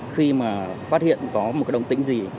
khi mà phát hiện có một cái đồng tĩnh gì